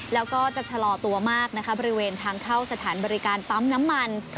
แล้วก็จะชะลอตัวมากนะคะบริเวณทางเข้าสถานบริการปั๊มน้ำมัน